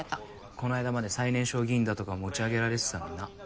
こないだまで最年少議員だとか持ち上げられてたのにな。